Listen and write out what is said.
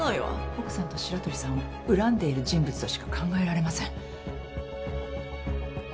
奥さんと白鳥さんを恨んでいる人物としか考えられません。